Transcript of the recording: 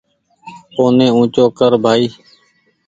اوني اونچو ڪر ڀآئي